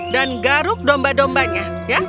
dan garuk domba dombanya